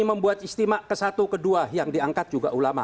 kami membuat istimewa ke satu kedua yang diangkat juga ulama